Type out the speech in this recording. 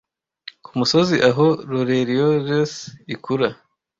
ku musozi aho laurierrose ikura